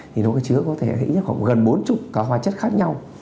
thì nó có thể gần bốn mươi các hóa chất khác nhau